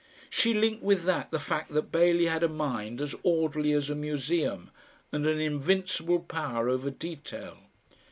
She linked with that the fact that Bailey had a mind as orderly as a museum, and an invincible power over detail.